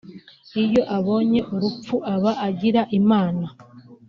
iyo abonye urupfu aba agira Imana